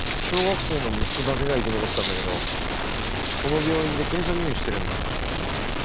小学生の息子だけが生き残ったんだけどこの病院で検査入院してるんだよ。